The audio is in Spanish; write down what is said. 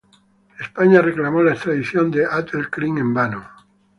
España reclamó la extradición de Abd el-Krim, en vano.